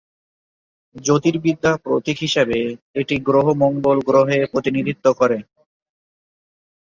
জ্যোতির্বিদ্যা প্রতীক হিসাবে এটি গ্রহ মঙ্গল গ্রহে প্রতিনিধিত্ব করে।